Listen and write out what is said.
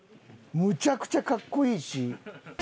むちゃくちゃかっこいいし。